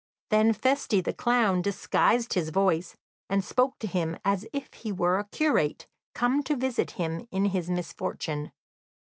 Then Feste, the clown, disguised his voice, and spoke to him as if he were a curate, come to visit him in his misfortune.